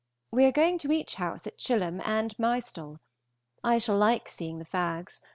We are going to each house at Chilham and to Mystole. I shall like seeing the Faggs.